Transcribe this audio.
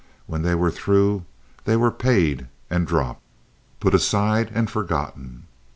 When they were through they were paid and dropped—put aside and forgotten.